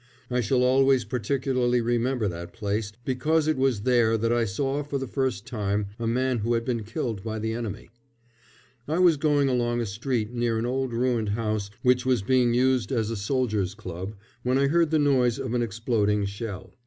I shall always particularly remember that place, because it was there that I saw for the first time a man who had been killed by the enemy. I was going along a street near an old ruined house which was being used as a soldiers' club, when I heard the noise of an exploding shell.